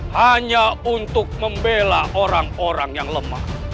hanya untuk membela orang orang yang lemah